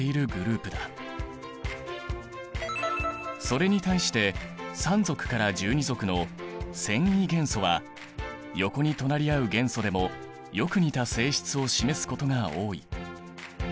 それに対して３族から１２族の遷移元素は横に隣り合う元素でもよく似た性質を示すことが多い。